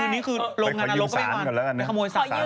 ไปขอยืมสานก่อนละกันเนี่ยไปขโมยสาร